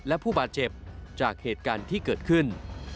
และผู้บาดเจ็บจากเหตุการณ์ที่เกิดขึ้น